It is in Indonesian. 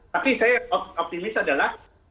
tapi saya optimis adalah